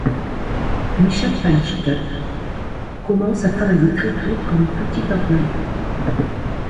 Michel Feintuch commence à travailler très tôt comme petit employé.